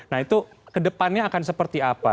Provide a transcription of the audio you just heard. nah itu kedepannya akan seperti apa